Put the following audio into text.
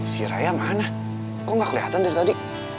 si raya mana kok gak kelihatan dari tadi